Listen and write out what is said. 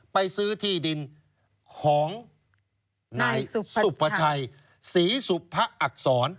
ไปซื้อที่ดินของนายสุภาชัยศรีสุภะอักษร